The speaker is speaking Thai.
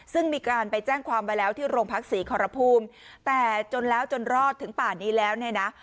ซึ่งมีการไปแจ้งความไว้แล้วที่โรงพักศรีขอรภูมิแต่จนแล้วจนรอดถึงป่านนี้แล้วเนี่ยนะ